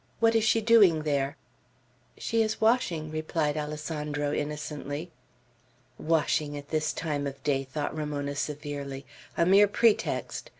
What is she doing there?" "She is washing," replied Alessandro, innocently. "Washing at this time of day!" thought Ramona, severely. "A mere pretext.